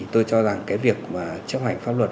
tôi cho rằng việc chấp hành pháp luật